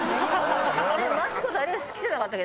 マツコと有吉好きじゃなかったっけ？